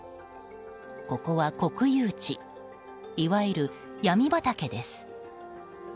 ここは国有地いわゆるヤミ畑です。